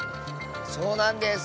そうなんです！